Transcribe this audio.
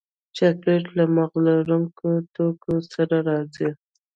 چاکلېټ له مغز لرونکو توکو سره راځي.